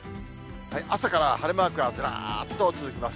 朝から晴れマークがずらーっと続きます。